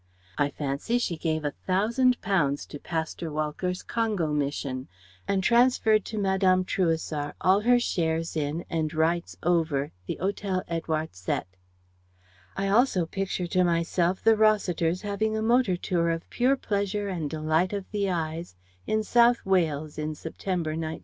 I fancy she gave a Thousand pounds to Pasteur Walcker's Congo Mission; and transferred to Mme. Trouessart all her shares in and rights over the Hotel Édouard Sept. I also picture to myself the Rossiters having a motor tour of pure pleasure and delight of the eyes in South Wales in September, 1919.